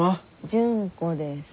純子です。